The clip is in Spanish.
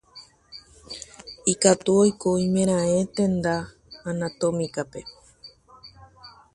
Puede ocurrir en cualquier localización anatómica.